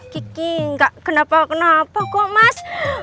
gigi gak kenapa kenapa kok mas